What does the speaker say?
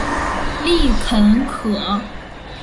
丽肯可